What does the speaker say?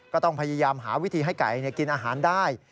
ก็ต้องพยายามหาวิธีให้ไก่กินอาหารได้